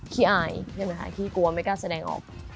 ขี้อายขี้กลัวไม่กล้าแสดงออก